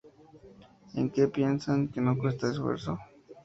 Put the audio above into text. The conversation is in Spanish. ¿Es que piensan que no cuesta esfuerzo?